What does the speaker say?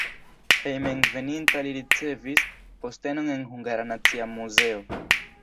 Hejmenveninta li ricevis postenon en Hungara Nacia Muzeo.